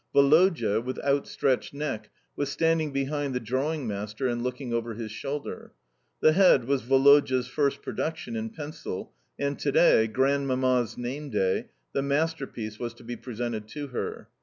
Woloda, with out stretched neck, was standing behind the drawing master and looking over his shoulder. The head was Woloda's first production in pencil and to day Grandmamma's name day the masterpiece was to be presented to her.